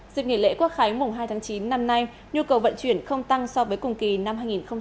dịp nghỉ lễ quốc khái mùng hai tháng chín năm nay nhu cầu vận chuyển không tăng so với cùng kỳ năm hai nghìn một mươi chín